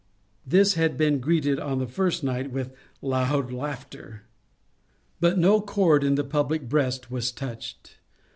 This had been greeted on the first night with loud laughter. But no chord in the public breast was touched.